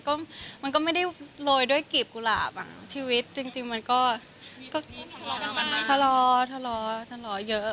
แต่มันก็ไม่ได้โรยด้วยกีบกุหลาบชีวิตจริงมันก็ทะเลาะเยอะ